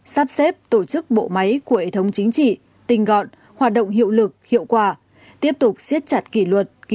sắp xếp tổ chức bộ máy của hệ thống chính trị tinh gọn hoạt động hiệu lực hiệu quả tiếp tục siết chặt kỷ luật